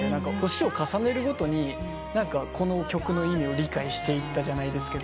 年を重ねるごとにこの曲の意味を理解していったじゃないですけど。